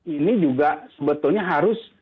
ini juga sebetulnya harus